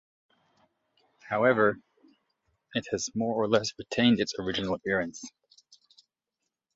However, it has more or less retained its original appearance.